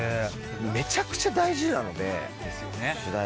めちゃくちゃ大事なので。ですよね。